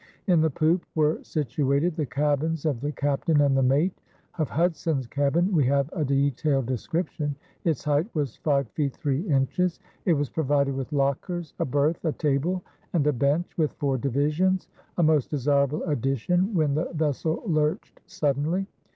In the poop were situated the cabins of the captain and the mate. Of Hudson's cabin we have a detailed description. Its height was five feet three inches. It was provided with lockers, a berth, a table, and a bench with four divisions, a most desirable addition when the vessel lurched suddenly.